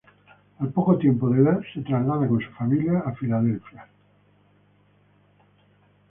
Al poco tiempo de edad, se traslada con su familia a Filadelfia.